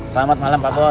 selamat malam pak bos